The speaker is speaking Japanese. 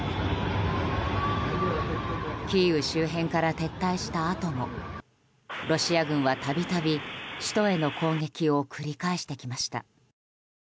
キーウ周辺から撤退したあともロシア軍は、度々首都への攻撃を繰り返してきました。